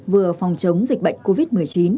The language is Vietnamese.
vừa phòng chống dịch bệnh covid một mươi chín